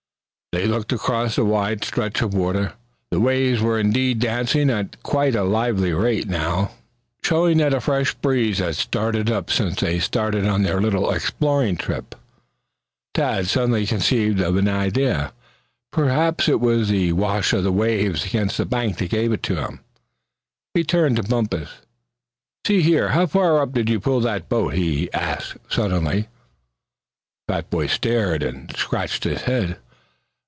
They looked across the wide stretch of water. The waves were indeed dancing at quite a lively rate now, showing that a fresh breeze had started up since they started on their little exploring trip. Thad suddenly conceived an idea. Perhaps it was the wash of the waves against the bank that gave it to him. He turned on Bumpus. "See here, how far up did you pull that boat?" he asked, suddenly. The fat boy stared, and scratched his head.